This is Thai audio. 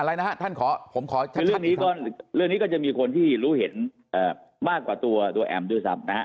อะไรนะฮะท่านขอผมขอชัดเรื่องนี้ก็จะมีคนที่รู้เห็นมากกว่าตัวแอมด้วยซ้ำนะฮะ